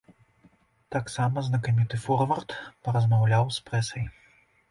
Таксама знакаміты форвард паразмаўляў з прэсай.